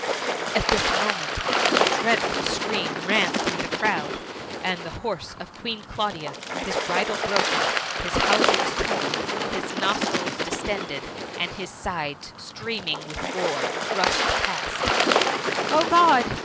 At this moment a dreadful scream ran through the crowd, and the horse of Queen Claudia, his bridle broken, his housings torn, his nostrils distended, and his sides streaming with gore, rushed past —" Oh God